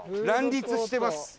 乱立してます。